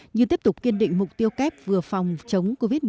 nhưng tiếp tục kiên định mục tiêu kép vừa phòng chống covid một mươi chín hiệu quả